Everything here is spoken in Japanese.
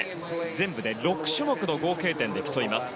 全部で６種目の合計点で競います。